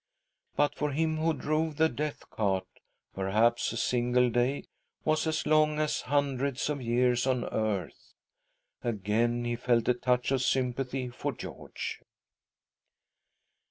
But for him who drove the death cart perhaps a single day was as long as hundreds of years on earth. Again he felt a touch of sympathy for George.